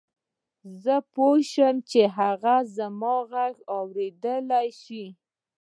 زه پوه شوم چې هغه زما غږ اورېدلای شي.